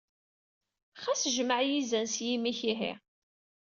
Xas jmeɛ yizan s yimi-k, ihi!